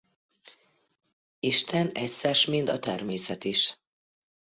Isten egyszersmind a természet is.